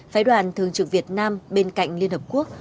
phái đoàn thường trực việt nam bên cạnh liên hợp quốc